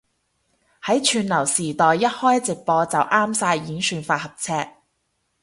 喺串流時代一開直播就啱晒演算法合尺